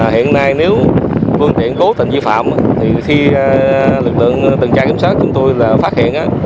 hiện nay nếu phương tiện cố tình vi phạm thì lực lượng tình trạng kiểm soát chúng tôi là phát hiện